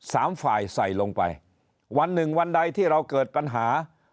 สามฝ่ายใส่ลงไปวันหนึ่งวันใดที่เราเกิดปัญหา